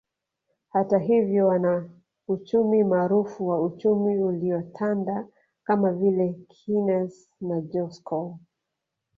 Hata hivyo wanauchumi maarufu wa uchumi uliotanda kama vile Keynes na Joskow